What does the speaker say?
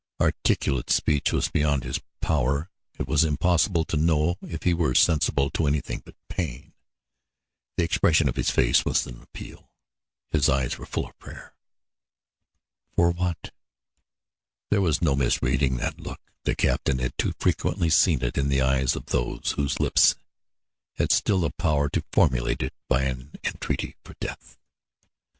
Articulate speech was beyond his power; it was impossible to know if he were sensible to anything but pain. The expression of his face was an appeal; his eyes were full of prayer. For what? There was no misreading that look; the captain had too frequently seen it in eyes of those whose lips had still the power to formulate it by an entreaty for death.